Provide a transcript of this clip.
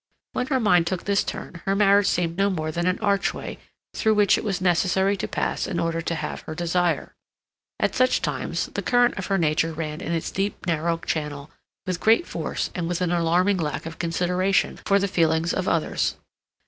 When her mind took this turn her marriage seemed no more than an archway through which it was necessary to pass in order to have her desire. At such times the current of her nature ran in its deep narrow channel with great force and with an alarming lack of consideration for the feelings of others.